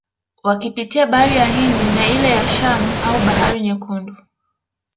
Wakipitia bahari ya Hindi na ile ya Shamu au bahari Nyekundu